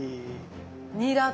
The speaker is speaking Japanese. ニラとか。